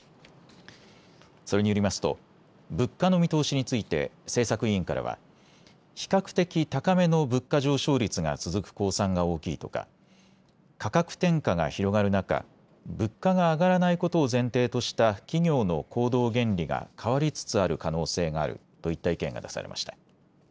それによりますと、物価の見通しについて政策委員からは、比較的高めの物価上昇率が続く公算が大きいとか価格転嫁が広がる中、物価が上がらないことを前提とした企業の行動原理が変わりつつある可能性があるといった意見が出されました。